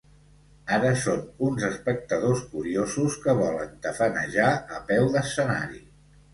Ara són uns espectadors curiosos que volen tafanejar a peu d'escenari.